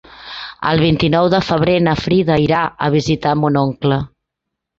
El vint-i-nou de febrer na Frida irà a visitar mon oncle.